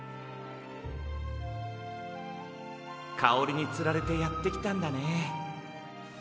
かおりにつられてやってきたんだね。